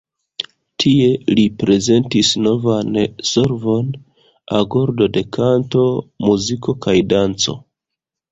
Tie li prezentis novan solvon: agordo de kanto, muziko kaj danco.